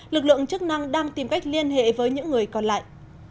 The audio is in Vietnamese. lực lượng chức năng đang tìm cách liên hệ với những người còn lại